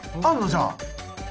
じゃあ。